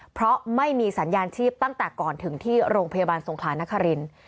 เพราะไม่มีสัญญาณชีพตั้งแต่ก่อนถึงที่โรงพยาบาลสงขลานครินทร์